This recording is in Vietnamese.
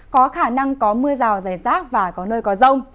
có khả năng có mưa rào rải rác và có nơi có rông